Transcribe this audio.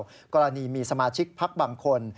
ถึงกระแสข่าวกรณีมีสมาชิกพักบางคน